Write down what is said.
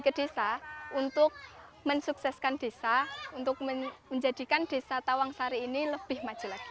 ke desa untuk mensukseskan desa untuk menjadikan desa tawangsari ini lebih maju lagi